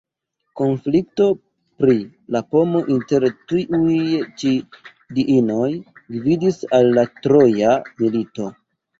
Konflikto pri la pomo inter tiuj ĉi diinoj gvidis al la Troja milito.